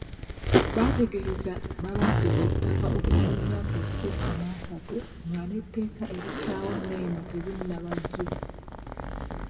Baategeezezza babadde ku ttaka okumala emyaka egisukka mwa asatu nga n'etteeka erissaawo Nema terinnabaggibwa.